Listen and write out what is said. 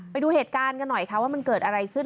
ไปดูเหตุการณ์กันหน่อยค่ะว่ามันเกิดอะไรขึ้น